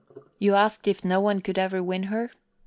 "You asked if no one could ever win her?